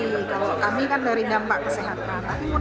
iya kalau kami kan dari dampak kesehatan